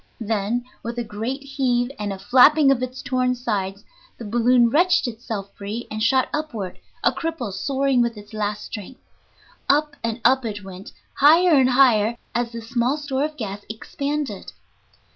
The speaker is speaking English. Then, with a great heave and a flapping of its torn sides, the balloon wrenched itself free and shot upward, a cripple soaring with its last strength. Up and up it went, higher and higher as the small store of gas expanded.